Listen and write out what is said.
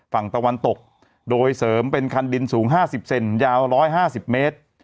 ฝั่งตะวันตกโดยเสริมเป็นคันดินสูงห้าสิบเซนยาวร้อยห้าสิบเมตร